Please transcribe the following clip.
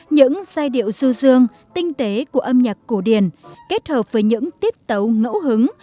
những giai điệu du dương tinh tế của âm nhạc cổ điển kết hợp với những tiết tấu ngẫu hứng